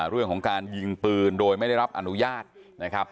เรื่องของการยิงปืนโดยไม่ได้รับอนุญาตนะครับ